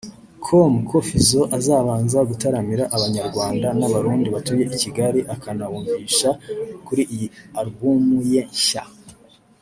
com ko Fizzo azabanza gutaramira abanyarwanda n'abarundi batuye i Kigali akanabumvisha kuri iyi Album ye nshya